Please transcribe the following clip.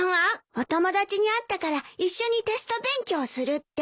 お友達に会ったから一緒にテスト勉強するって。